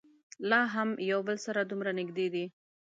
لا هم یو بل سره دومره نږدې دي.